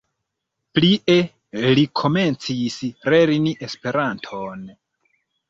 Plie li komencis lerni Esperanton.